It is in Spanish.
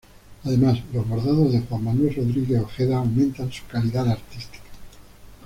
Además, los bordados de Juan Manuel Rodríguez Ojeda aumentan su calidad artística.